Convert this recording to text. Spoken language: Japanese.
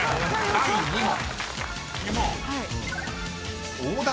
［第２問］